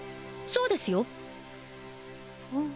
そうですよふん